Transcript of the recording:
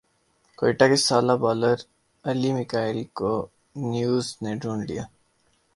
کوئٹہ کے سالہ بالر علی میکائل کو نیو زنے ڈھونڈ لیا